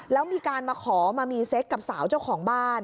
แล้วมีการมาขอมามีเซ็กกับสาวเจ้าของบ้าน